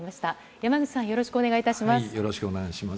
山口さん、よろしくお願いいたします。